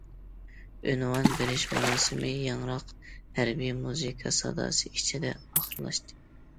ئۇنۋان بېرىش مۇراسىمى ياڭراق ھەربىي مۇزىكا ساداسى ئىچىدە ئاخىرلاشتى.